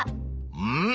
うん！